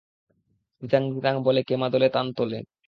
ধিতাং ধিতাং বলে কে মাদলে তান তোলে?